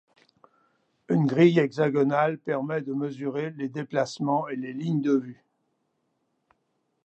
Une grille hexagonale permet de mesurer les déplacements et les lignes de vue.